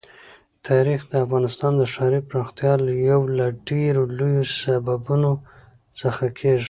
تاریخ د افغانستان د ښاري پراختیا یو له ډېرو لویو سببونو څخه کېږي.